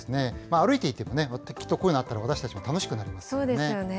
歩いていてもね、きっとこういうのあったら私たちも楽しみなりますよね。